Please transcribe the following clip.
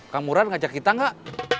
kang murad ngajak kita gak